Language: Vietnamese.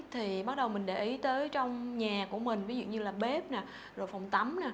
thì bắt đầu mình để ý tới trong nhà của mình ví dụ như là bếp rồi phòng tắm